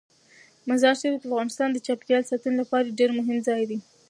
مزارشریف د افغانستان د چاپیریال ساتنې لپاره ډیر مهم ځای دی.